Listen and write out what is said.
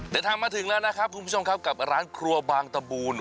เดินทางมาถึงแล้วนะครับคุณผู้ชมครับกับร้านครัวบางตะบูน